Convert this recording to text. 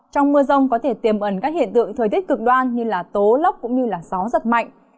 trong mưa rông có thể tiềm ẩn các hiện tượng thời tiết cực đoan như tố lốc cũng như gió giật mạnh